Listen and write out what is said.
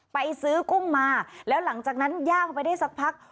ไปซื้อกุ้งมาแล้วหลังจากนั้นย่างไปได้สักพัก